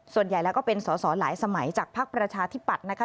ส่วนใหญ่แล้วก็เป็นสอสอหลายสมัยจากภักดิ์ประชาธิปัตย์นะคะ